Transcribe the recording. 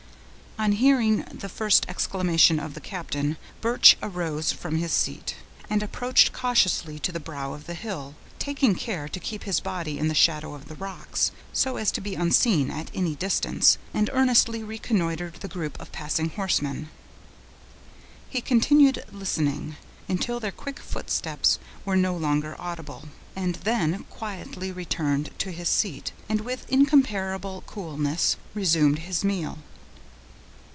On hearing the first exclamation of the captain, Birch arose from his seat, and approached cautiously to the brow of the hill, taking care to keep his body in the shadow of the rocks, so as to be unseen at any distance, and earnestly reconnoitered the group of passing horsemen. He continued listening, until their quick footsteps were no longer audible, and then quietly returned to his seat, and with incomparable coolness resumed his meal.